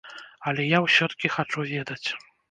Але я ўсё-ткі хачу ведаць.